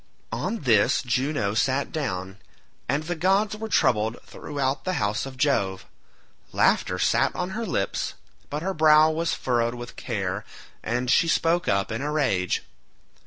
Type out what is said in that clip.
On this Juno sat down, and the gods were troubled throughout the house of Jove. Laughter sat on her lips but her brow was furrowed with care, and she spoke up in a rage.